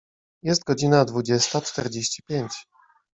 Jest godzina dwudziesta czterdzieści pięć.